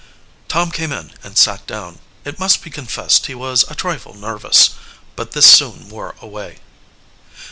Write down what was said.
Tom came in and sat down. It must be confessed he was a trifle nervous, but this soon wore away.